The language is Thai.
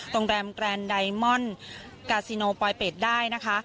โรงแรมแกรนไดมอนด์กาซิโนปลอยเป็ดได้นะคะ